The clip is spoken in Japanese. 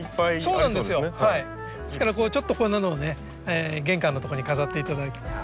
ですからちょっとこんなのをね玄関のとこに飾っていただくととても。